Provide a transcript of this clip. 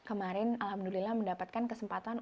kemarin alhamdulillah mendapatkan kesempatan